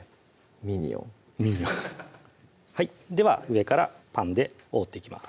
ミニオンミニオンでは上からパンで覆っていきます